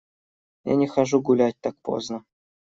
Я не хожу гулять так поздно.